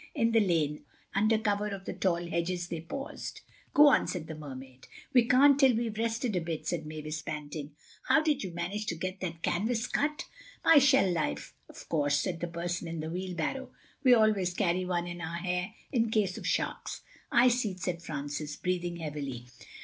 In the lane, under cover of the tall hedges, they paused. "Go on," said the Mermaid. "We can't till we've rested a bit," said Mavis, panting. "How did you manage to get that canvas cut?" "My shell knife, of course," said the person in the wheelbarrow. "We always carry one in our hair, in case of sharks." "I see," said Francis, breathing heavily.